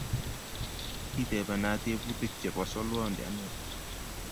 matitebena tebutik chebo solwondi anete